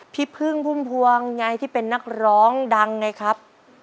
พี่พึ่งพุ่มพวงไงที่เป็นนักร้องดังไงครับ